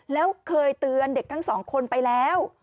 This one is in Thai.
แล้วเคยเตือนเด็กทั้งสองคนไปแล้ว